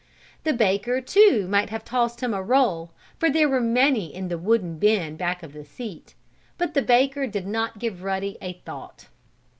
The baker, too, might have tossed him a roll, for there were many in the wooden bin back of the seat. But the baker did not give Ruddy a thought.